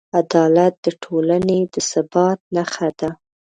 عدالت د ټولنې د ثبات نښه ده.